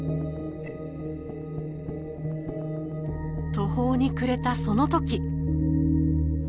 途方に暮れたその時。